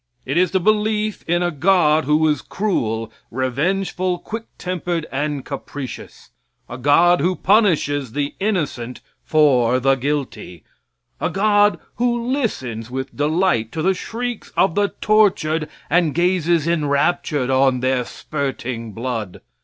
It is the belief in a God who is cruel, revengeful, quick tempered and capricious; a God who punishes the innocent for the guilty; a God who listens with delight to the shrieks of the tortured and gazes enraptured on their spurting blood.